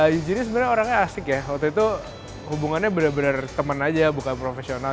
ya jadi sebenarnya orangnya asik ya waktu itu hubungannya benar benar teman aja bukan profesional